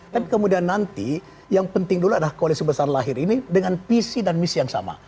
dan kemudian nanti yang penting dulu adalah koalisi besar lahir ini dengan visi dan misi yang sama